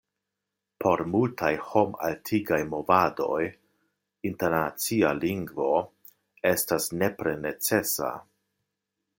Por multaj homaltigaj movadoj internacia lingvo estas nepre necesa.